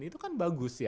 itu kan bagus sih